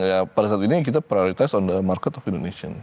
ya pada saat ini yang kita prioritas on the market of indonesian